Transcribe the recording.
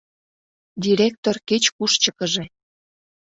— Директор кеч-куш чыкыже!